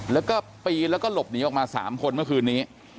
แล้วก็ปีนแล้วก็หลบหนีออกมา๓คนเมื่อคืนนี้